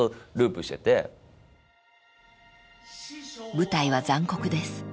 ［舞台は残酷です］